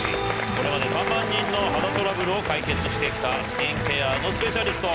これまで３万人の肌トラブルを解決してきたスキンケアのスペシャリスト